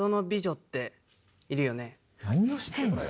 何をしてるのよ？